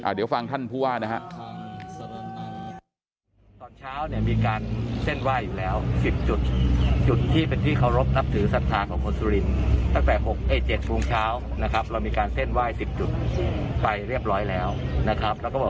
เดี๋ยวฟังท่านผู้ว่านะครับ